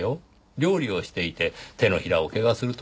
料理をしていて手のひらを怪我するとは珍しい。